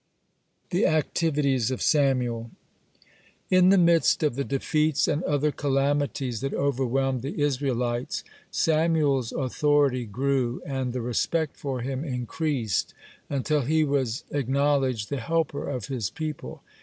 (39) THE ACTIVITIES OF SAMUEL In the midst of the defeats and other calamities that overwhelmed the Israelites, Samuel's authority grew, and the respect for him increased, until he was acknowledged the helper of his people.